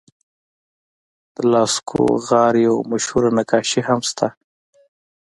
د لاسکو غار یوه مشهور نقاشي هم شته.